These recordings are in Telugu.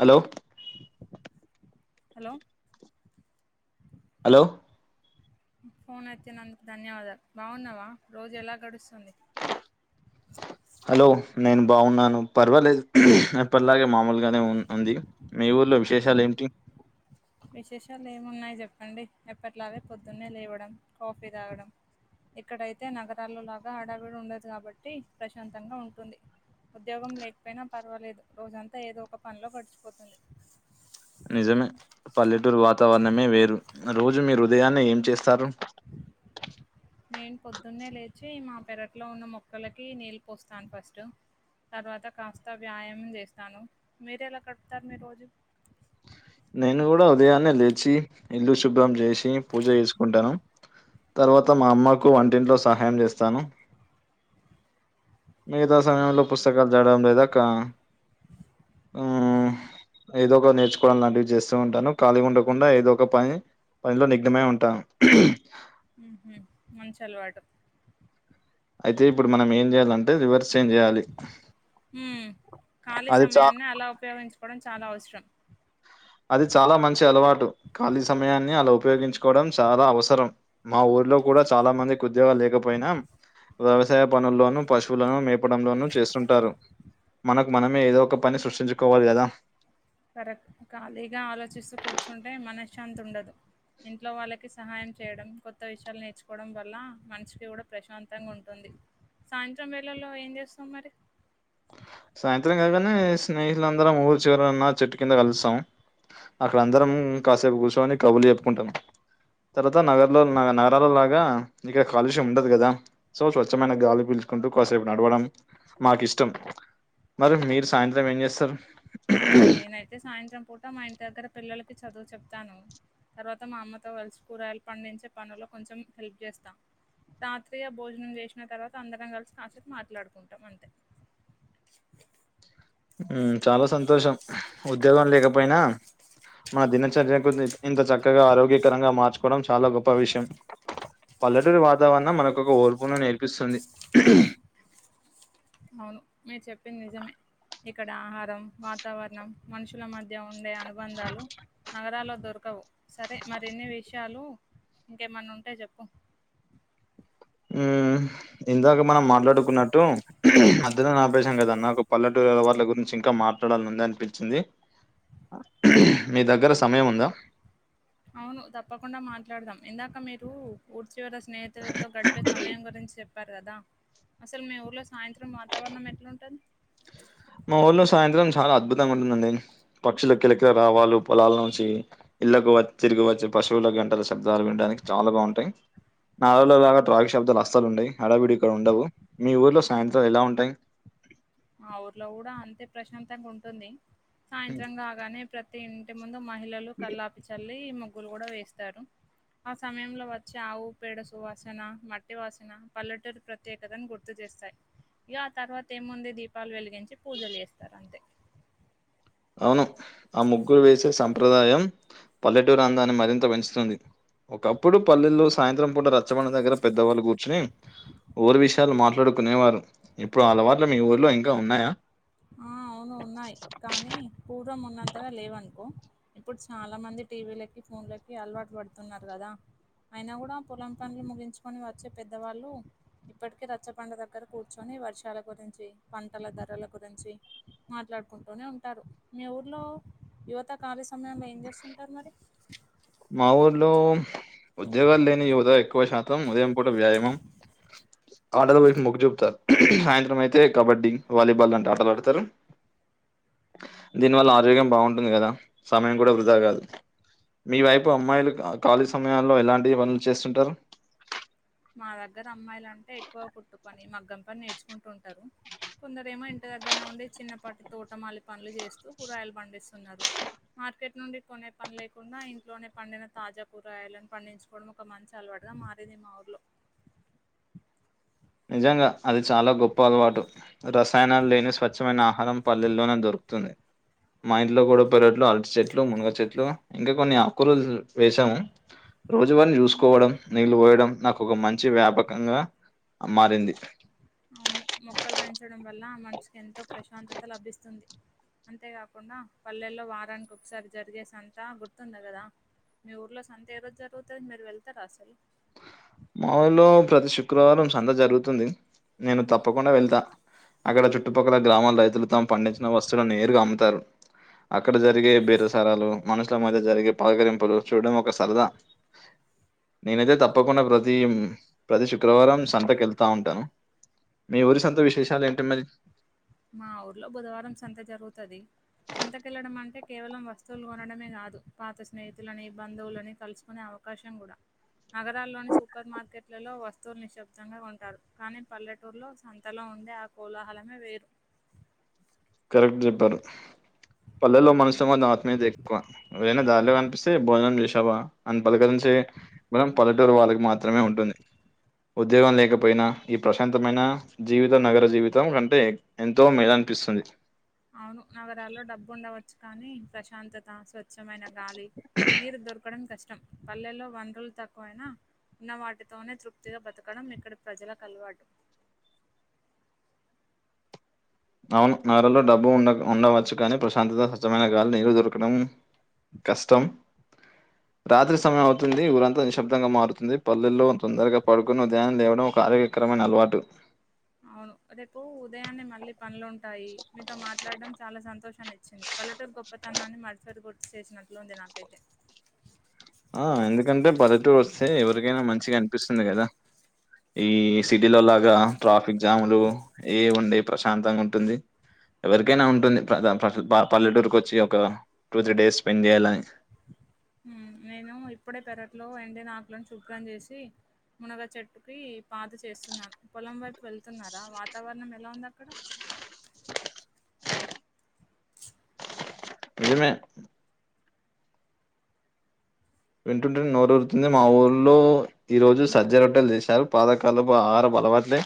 హలో హలో హలో ఫోన్ ఎత్తినందుకు ధన్యవాదాలు బాగున్నావా రోజు ఎలా గడుస్తుంది హలో నేను బాగున్నాను పర్వాలేదు ఎప్పట్లాగే మామూలుగానే ఉ ఉంది మే ఊళ్లో విశేషాలు ఏమిటి విశేషాలు ఏమున్నాయి చెప్పండి ఎప్పట్లాగే పొద్దున్నే లేవడం కాఫీ తాగడం ఇక్కడైతే నగరాల్లో లాగా ఆడావిడి ఉండదు కాబట్టి ప్రశాంతంగా ఉంటుంది ఉద్యోగం లేకపోయినా పర్వాలేదు రోజంతా ఏదో ఒక పనిలో గడిచిపోతుంది నిజమే పల్లెటూరు వాతావరణమే వేరు రోజు మీరు ఉదయాన్నే ఏం చేస్తారు నేను పొద్దున్నే లేచి మా పెరట్లో ఉన్న మొక్కలకి నీళ్ళు పోస్తాను ఫస్ట్ తర్వాత కాస్త వ్యాయామం చేస్తాను మీర ఎలా కడుపుతారు మీ రోజు నేను కూడా ఉదయాన్నే లేచి ఇల్లు శుభ్రం చేసి పూజ చేసుకుంటాను తర్వాత మా అమ్మకు వంటింట్లో సహాయం చేస్తాను మిగతా సమయంలో పుస్తకాలు జడడం లేదా కా ఆ ఎదో ఒక నేర్చు లాంటివి చేస్తూ ఉంటాను ఖాళీ ఉండకుండా ఏదో ఒక పని పనిలో నిగ్నమై ఉంటాను ఉహు మంచ అలవాటు అయితే ఇప్పుడు మనం ఏం చేయాలంటే రివర్స్ చేంజ్ చేయాలి ఉ ఖాళీ అది చా సమయాన్ని అలా ఉపయోగించుకోవడం చాలా అవసరం అది చాలా మంచి అలవాటు ఖాళీ సమయాన్ని అలా ఉపయోగించుకోవడం చాలా అవసరం మా ఊరు ల్లో కూడా చాలా మందికి ఉద్యోగాలు లేకపోయినా వ్యవసాయ పనుల్లోనూ పశువులను మేపడంలోనూ చేస్తుంటారు మనకు మనమే ఏదో ఒక పని సృష్టించుకోవాలి కదా కరెక్ట్ ఖాళీగా ఆలోచిస్తూ కూర్చుంటే మనశ్శాంతి ఉండదు ఇంట్లో వాళ్ళకి సహాయం చేయడం కొత్త విషయాలు నేర్చుకోవడం వల్ల మనిషికి కూడా ప్రశాంతంగా ఉంటుంది సాయంత్రం వేళల్లో ఏం చేస్తవ్ మరి సాయంత్రం కాగానే స్నేహితులందరం ఊర్ చివరన్నా చెట్టు కింద కలిసాం అక్కడ అందరం కాసేపు కూర్చోని కబుర్లు చెప్పుకుంటము తర్వాత నగర్ లో నగరాల లాగా ఇక్కడ కాలుష్యం ఉండదు కదా సో స్వచ్ఛమైన గాలి పిల్ చ్కుంటూ కాసేపు నడవడం మాకు ఇష్టం మరి మీరు సాయంత్రం ఏం చేస్తారు నేనైతే సాయంత్రం పూట మా ఇంటి దగ్గర పిల్లలకి చదువు చెప్తాను తర్వాత మా అమ్మతో కలిసి కూరాయలు పండించే పనులకు కొంచెం హెల్ప్ చేస్తా రాత్రి ఇగ భోజనం చేసిన తర్వాత అందరం కలిసి కాసేపు మాట్లాడుకుంటాం అంతే అ ఉం చాలా సంతోషం ఉద్యోగం లేకపోయినా మన దినచర్యకు ఇంత చక్కగా ఆరోగ్యకరంగా మార్చుకోవడం చాలా గొప్ప విషయం పల్లెటూరి వాతావరణం మనకు ఒక ఓర్పున నేర్పిస్తుంది అవును మీరు చెప్పింది నిజమే ఇక్కడ ఆహారం వాతావరణం మనుషుల మధ్య ఉండే అనుబంధాలు నగరాల్లో దొరకవు సరే మరి ఎన్ని విషయాలు ఇంకేమన్నా ఉంటే చెప్పు ఉం ఇందాక మనం మాట్లాడుకున్నట్టు మధ్య లోనే అపేసాం కదా అన్న ఒక పల్లెటూరు గురించి ఇంకా మాట్లాడాలనీ ఉంది అనిపించింది మీ దగ్గర సమయం ఉందా అవును తప్పకుండా మాట్లాడదాం ఇందాక మీరు చివర స్నేహితులతో గడిపే సమయం గురించి చె చెప్పారు కదా అసలు మీ ఊర్లో సాయంత్రం వాతావరణం ఎట్లాఉంటది మా ఊల్లో సాయంత్రం చాలా అద్భుతంగా ఉంటుందండి పక్షుల కిలకిల రాగాలు పొలాల నుంచి ఇళ్లకు వచ్చి తిరిగి వచ్చి పశువులకు గంటల శబ్దాలు వినడానికి చాలా బాగాఉంటాయి నాాలులో [unintelligible] లాగా ట్రాగి శబ్దాలు అస్లు ఉంటయి అడవిడి ఇక్కడ ఉండవు మీ ఊర్లో సాయంత్రాలు ఎలా ఉంటాయి మా ఊర్లో కూడా అంతే ప్రశాంతంగా ఉంటుంది హ్మ్. సాయంత్రం కాగానే ప్రతి ఇంటి ము ముందు మహిళలు కల్లాపి చల్లి ముగ్గులు కూడా వేస్తారు ఆ సమయంలో వచ్చే ఆవు పేడ సువాసన మట్టి వాసన పల్లెటూరు ప్రత్యేకతను గుర్తు చేస్తాయి ఇగ ఆ తర్వాత ఏముంది దీపాలు వెలిగించి పూజలు చేస్తారు అంతే అవును ఆ ముగ్గులు వేసే సంప్రదాయం పల్లెటూరందాన్ని మరింత పెంచుతుంది ఒకప్పుడు పల్లెల్లో సాయంత్రం పూట రచ్చబండ దగ్గర పెద్దవాళ్ళు కూర్చుని ఊరు విషయాలు మాట్లాడుకునేవారు ఇప్పుడు అలవాట్లు మీ ఊర్లో ఇంకా ఉన్నాయా ఆ అవును ఉన్నాయి కానీ పూర్వం ఉన్నంతగా లేవనుకో ఇప్పుడు చాలా మంది టీవీ లకి ఫోన్లకి అలవాటు పడుతున్నారు కదా అయినా కూడా పొలం పన్లు ముగించుకొని వచ్చే పెద్దవాళ్ళు ఇప్పటికే రచ్చ బండ దగ్గర కూర్చొని వర్షాల గురించి పంటల ధరల గురి చి మాట్లాడుకుంటూనే ఉంటారు మీ ఊర్లో యువత కాల ఏం చేస్తుంటారు మరి మా ఊర్లో ఉద్యోగాలు లేని యువత ఎక్కువ శాతం ఉదయం పూట వ్యాయామం ఆటలు వైపు మొగ్గు చూపుతారు సాయంత్రం అయితే కబడ్డీ వాలీబాల్ అంటే ఆటలు ఆడతారు దీనివల్ల ఆరోగ్యం బాగుంటుంది కదా సమయం కూడా వృధా కాదు మీ వైపు అమ్మాయిలు ఖాళీ సమయాల్లో ఎలాంటి పనులు చేస్తుంటారు మా దగ్గర అమ్మాయిలు అంటే ఎక్కువ ఫుడ్ పని మగ్గం పని నేర్చుకుంటుంటారు కొందరేమో ఇంటి దగ్గరనే ఉండి చిన్న పాటి తోటమాలి పనులు చేస్తూ కూరయలు పండిస్తున్నారు మార్కెట్ నుండి కొనే పని లేకుండా ఇంట్లోనే పండిన తాజా కూరగాయలుని పండించుకోవడం ఒక మంచి అలవాటు అలా మారేది మా ఊర్లో నిజంగా అది చాలా గొప్ప అలవాటు రసాయనాలు లేని స్వచ్ఛమైన ఆహారం పల్లెల్లోనే దొరుకు తుంది మా ఇంట్లో కూడా పెరట్లో అరటి చెట్లు మునగ చెట్లు ఇంకా కొన్ని ఆకు కూరలు వేసాము రోజువాటిని చూసుకోవడం నీళ్ళు పోయడం నాకు ఒక మంచి వ్యాపకంగా ఆ మారింది. అవును మొక్కలు పెంచడం వల్లా మనసుకి ఎంతో ప్రశాంతతా లభిస్తుంది. అంతేకాకుండా పల్లెల్లో వారానికి ఒకసారి జరిగే సంతా గుర్తుంది కదా. మీ ఊర్లో సంతే ఏ రోజు జరుగుతది? మీరు వెళ్తరా అసలు. మా ఊర్లో ప్రతి శుక్రవారం సంత జరుగుతుంది, నేను తప్పకుండా వెళ్తా. అక్కడ చుట్టుపక్కల గ్రామాల రైతులు తాము పండించిన వస్తువులను నేరుగా అమ్ముతారు. అక్కడ జరిగే బేరసారాలు, మనుషుల మద్య జరిగే పలకరింపులు చూడడం ఒక సరదా. నేనైతే తప్పకుండా ప్రతి ప్రతి శుక్రవారం సంతకు ఎళ్తా ఉంటను. మీ ఊరి సంత విశేషాలు ఏంటి మరి? మా ఊర్లో బుధవారం సంత జరుగుతది. సంతకి ఎళ్లడం అంటే కేవలం వస్తువులు కొనడమే కాదు. పాత స్నేహితులని, బంధువులని కలుసుకొనె అవ కాశం కుడా నగరాల్లోని సూపర్ మార్కెట్లలో వస్తువులు నిశ్శబ్దంగా కొంటారు కానీ పల్లెటూర్లో సంతలో ఉండే ఆ కోలాహలమే వేరు. కరెక్ట్ చెప్పారు. పల్లెల్లో మనుషుల మధ్య ఆత్మీయత ఎక్కువ. ఏవరైనా దారిలో కనిపిస్తే భోజనం చేశావా అని పలకరించే చే బలం పల్లటూరు వాళ్ళకు మాత్రమే ఉంటుంది. ఉద్యోగం లేకపోయినా ఈ ప్రశాంతమైన జీవిత నగర జీవితం కంటే ఎంతో మేల నిపిస్తుంది. అవును నగరాల్లో డబ్బు ఉండవచ్చు కానీ ప్రశాంతత స్వచ్ఛమైన గాలి, నీరు దొరకడం కష్ ష్టం పల్లెల్లో వనరులు తక్కువైనా ఉన్న వాటితోనే తృప్తిగా బతకడం ఇక్కడి ప్రజలకు అలవాటు. అవును నగరాల్లో డబ్బు ఉండకఉండవచ్చు కానీ ప్రశాంతత, స్వచ్ఛమైనగాలి, నీరు దొరకడం కష్టం రాత్రి సమయం అవుతుంది. ఊరంతా నిశ్శబ్దంగా మారుతుంది. పల్లెల్లో తొందరగా పడుకొని ఉదయాన్నే లేవడం ఒక ఆరోగ్య కరమైనా అలవాటు. అవును రేపు ఉదయాన్నే మళ్ళీ పనులుంటాయి. మీతో మాట్లాడడం చాలా సంతోషాన్ని ఇచ్చింది. పల్లెటూరు గొప్పతనాన్ని మరోసారి గుర్తుచేసినట్లుంది నాకైతే. ఆ ఎందుకంటే పల్లెటూరు వస్తే ఎవరికైనా మంచిగా అనిపిస్తుంది కదా. ఈ సిటీలో లాగా ట్రాఫిక్ జాములు ఏవి ఉండయి ప్రశాంతంగా ఉంటుంది. ఎవరికైనా ఉంటుంది [unintelligible] పల్లెటూరుకి వచ్చి ఒక టూ త్రీ డేస్ స్పెండ్ చేయాలని. హ్ నేను ఇప్పుడే పెరట్లో ఎండిన ఆకులను శుభ్రం చేసి మునగ చెట్టుకి పాతు చేస్తున్నాను. పొలం వైపు వెళ్తున్నారా, వాతావరణం ఎలా ఉంది అక్కడ? నిజమే వింటుంటేనే నోరు ఊరుతుంది. మా ఊర్లో ఈ రోజు సజ్జ రొట్టెలు చేసారు. పాతకాలపు ఆహారపు అలవాట్లే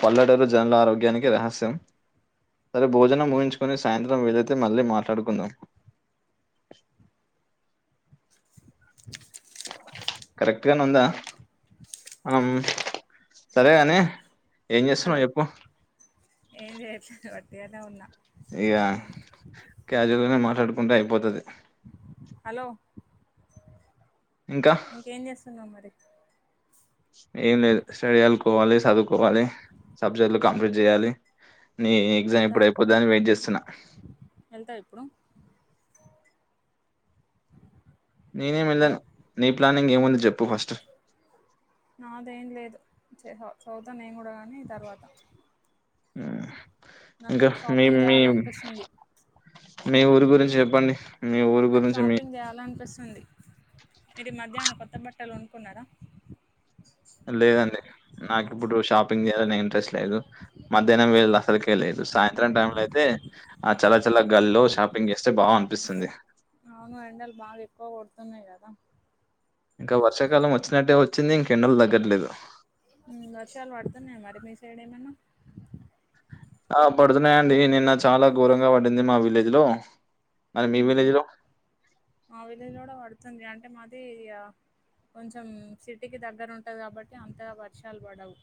పల్లెటూరు జనాల ఆరోగ్యానికి రహస్యం. సరే భోజనం ముగించుకుని సాయంత్రం వీలైతే మళ్ళీ మాట్లాడుకుందాం. కరెక్ట్గనే ఉందా. ఆమ్ సరేగాని హలో ఏం చేయట్లేదు వట్టిగనే ఉన్నా. ఇక క్యాజువల్ గానే మాట్లాడుకుంటే అయిపోతది. హలో ఇంకా ఇంకేం చేస్తున్నావ్ మరి ఏం లేదు స్టడీ అలుకోవాలి చదువుకోవాలి సబ్జెక్టులు కంప్లీట్ చేయాలి నీ ఎగ్జామ్ ఎప్పుడు వెళ్తావా అయిపోద్దా ఇప్పుడు అని వెయిట్ చేస్తున్న. వెళ్తావా ఇప్పుడు నేనేమి హలో ఎల్లను నీ ప్లానింగ్ ఏముంది చెప్పు ఫస్ట్ నాదేం లేదు చిహ చదువుతా నేను కూడా కానీ తర్వాత మ్ నాకు షాపింగ్ చేయాలనిపిస్తుంది మీ ఊరి గురించి చెప్పండి మీ ఊరి నాకు గురించి మీ షాపింగ్ చేయాలనిపిస్ తుంది మీరు ఈమధ్య ఏమన్నా కొత్త బట్టలు కొనుకున్నార? లేదండి నాకిప్పుడు షాపింగ్ చేయాలనె ఇంట్రెస్ట్ లేదు మధ్యాహ్నం వేళల అసలుకే లేదు సాయంత్రం టైం లో అయితే ఆ చల్ల చల్ల గాల్లో షాపింగ్ చేస్తే బా అనిపిస్తుంది అవును ఎండలు బాగ ఎక్కువ కొడుతున్నాయి కదా ఇంకా వర్షాకాలం వచ్చినట్టే వచ్చింది ఇంక ఎండలు తగ్గట్లేదు మ్ వర్షాలు పడుతున్నాయా మరి మీ సైడ్ ఏమన్నా ఆ పడుతున్నాయండి నిన్న చాలా ఘోరంగా పడింది మా విలేజ్ లో మ్ మా విలేజ్లో కూడా పడుతుంది అంటే మాది కొంచెం సిటీకి దగ్గర ఉంటది కాబట్టి అంతగా వర్షాలు పడవు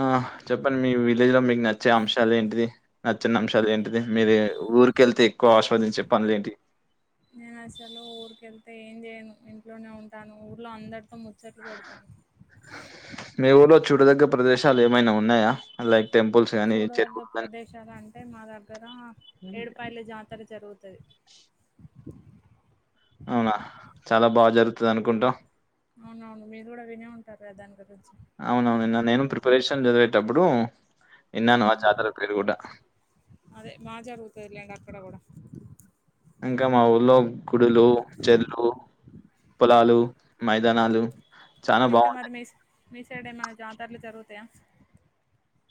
ఆ చెప్పండి మీ విలేజ్ లో మీకు నచ్చే అంశాలు ఏంటిది నచ్చని అంశాలు ఏంటిది మీరు ఊరికెళ్తే ఎక్కువ ఆస్వాదించే పనులేంటి నేను అసలు ఊరికెళ్తే ఏం చేయను ఇంట్లోనే ఉంటాను ఊర్లో అందరితో ము ముచ్చట్లు పెడతాము. మీ ఊర్లో చూడదగ్గ ప్రదేశాలు ఏమైనా ఉన్నాయా లైక్ టెంపుల్స్ గాని, చూడదగ్గ చెరువులు గాని? ప్రదేశాలు అంటే మా దగ్గర ఏడిపాయల జాతర జరుగుతది అవునా చాలా బా జరుగుతది అనుకుంటా అవునవును మీరు కూడా వినే ఉంటారు దాని గురించి అవును విన్న నేను ప్రిపరేషన్ జదివేటప్పుడు విన్నాను ఆ జాతర పేరు కూడా అదే బా జరుగుతది లే ఇంగ అక్కడ కూడ ఇంకా మా ఊర్లో గుడులు చెల్లు పొలాలు మైదానాలు చాన ఇంకా మరి బాగుంటాయి మీ మీ సైడ్ ఏమన్నా జాతరలు జరుగుతాయా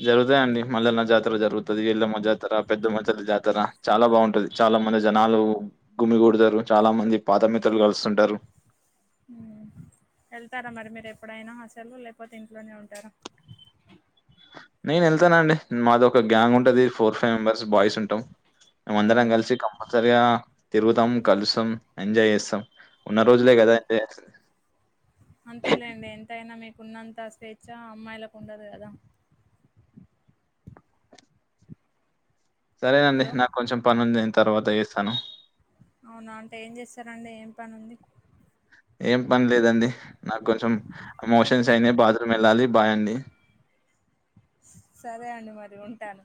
జరుగుతాయండి మళ్ళన్న జాతర జరుగుతది. ఎళ్ళమ్మ జాతర, పెద్దమ్మ తల్లి జాతర చాలా బాగుంటది చా చాలా మంది జనాలు గుమిగూడతారు చాలా మంది పాత మిత్రులు కలుస్తుంటారు మ్ ఎళ్తార మరి మీరు ఎప్పుడైనా అసలు లేకపోతే ఇంట్లోనే ఉంటార నేను ఎల్తానండి మాది ఒక గ్యాంగ్ ఉంటది ఫోర్ ఫైవ్ మెంబర్స్ బాయ్స్ ఉంటాం మేమందరం ఉమ్ కలిసి కంపల్సరిగా తిరుగుతాం కలుస్తాం ఎంజాయ్ చేస్తాం ఉన్న రోజులే అం కదా అండి అంతేలేండి ఎంతైనా మీకున్నంత స్వేచ్ఛ అమ్మాయిలకు ఉండదు కదా సరేనండి హలో నాకు కొంచెం పని ఉంది నిను తర్వాత చేస్తాను సండే ఎం పని ఉంది ఏం పని లేదండి నాకు కొంచెం ఎమోషన్స్ అయినాయి బాత్రూమ్ వెళ్ళాలి బాయ్ అండి సరే అండి మరి ఉంటాను